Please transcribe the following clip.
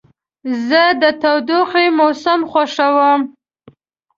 زه د تودوخې موسم خوښوم.